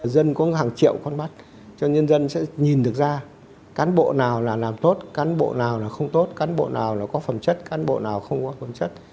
dân có hàng triệu con mắt cho nhân dân sẽ nhìn được ra cán bộ nào là làm tốt cán bộ nào là không tốt cán bộ nào là có phẩm chất cán bộ nào không có phẩm chất